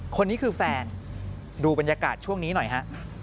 คนนี้คือแฟนดูบรรยากาศช่วงนี้หน่อยฮะ